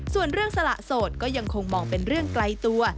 ส่วนเรื่องสละโสดก็ยังคงมองเป็นเรื่องไกลตัว